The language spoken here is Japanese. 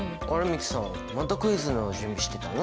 美樹さんまたクイズの準備してたの？